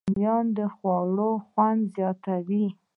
رومیان د خوړو خوند زیاتوي